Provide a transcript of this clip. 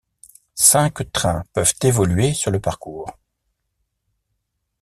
Cinq trains peuvent évoluer sur le parcours.